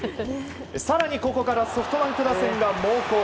更にここからソフトバンク打線が猛攻。